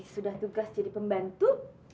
sudah tugas jadi pembantu